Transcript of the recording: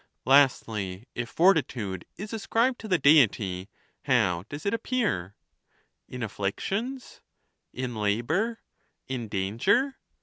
Lastly, if fortitude is ascribed to the Deity, how does it appear? In afflictions, in labor, in danger?